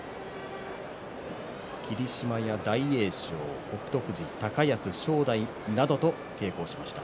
霧島や大栄翔、北勝富士高安、正代などと稽古をしました。